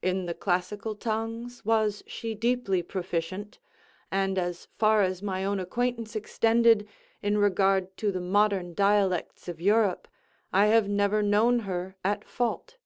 In the classical tongues was she deeply proficient, and as far as my own acquaintance extended in regard to the modern dialects of Europe, I have never known her at fault.